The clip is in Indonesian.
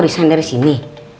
riset dari sini